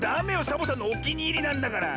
サボさんのおきにいりなんだから。